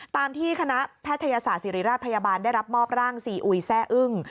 ตามที่คณะแพทยศาสตร์ศิริราชพยาบาลได้รับมอบร่างซีอุยแซ่อึ้ง